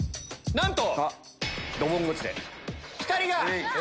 なんと！